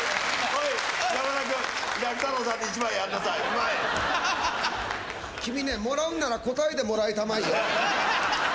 おい、山田君、君ね、もらうんなら答えでもらいたまえよ。